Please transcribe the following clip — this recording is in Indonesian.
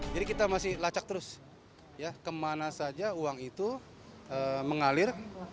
jadi kita masih lacak terus ya kemana saja uang itu mengalir